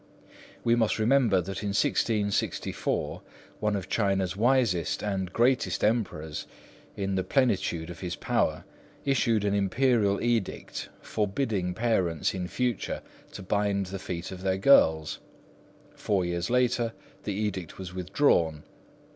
We must remember that in 1664 one of China's wisest and greatest Emperors, in the plenitude of his power issued an Imperial edict forbidding parents in future to bind the feet of their girls. Four years later the edict was withdrawn.